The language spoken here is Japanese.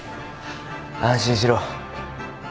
安心しろ。